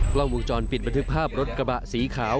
กล้องวงจรปิดบันทึกภาพรถกระบะสีขาว